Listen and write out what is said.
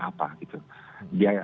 apa gitu dia